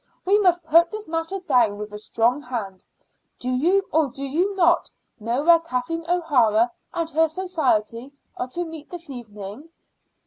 We must put this matter down with a strong hand. Do you or do you not know where Kathleen O'Hara and her society are to meet this evening?"